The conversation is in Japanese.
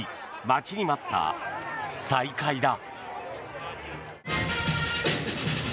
待ちに待った再開だ。